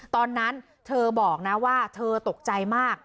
ตอนนั้นเธอบอกนะว่าเธอตกใจมาก